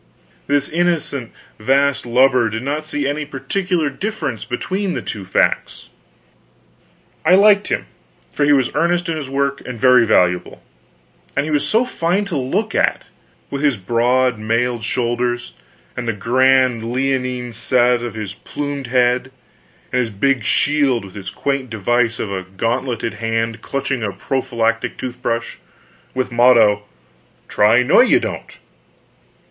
This innocent vast lubber did not see any particular difference between the two facts. I liked him, for he was earnest in his work, and very valuable. And he was so fine to look at, with his broad mailed shoulders, and the grand leonine set of his plumed head, and his big shield with its quaint device of a gauntleted hand clutching a prophylactic tooth brush, with motto: "Try Noyoudont."